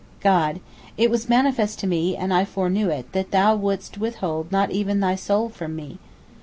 God: "It was manifest to Me, and I foreknew it, that thou wouldst withhold not even thy soul from Me."